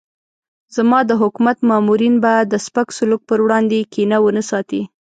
زما د حکومت مامورین به د سپک سلوک پر وړاندې کینه ونه ساتي.